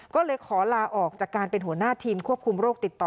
ก็เลยขอลาออกจากการเป็นหัวหน้าทีมควบคุมโรคติดต่อ